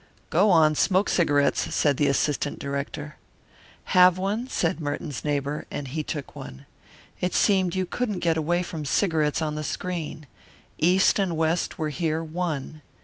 "Go on, smoke cigarettes," said the assistant director. "Have one?" said Merton's neighbour, and he took one. It seemed you couldn't get away from cigarettes on the screen. East and West were here one.